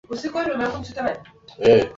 alitajwa kuwa pengine angeuzwa kwa euro milioni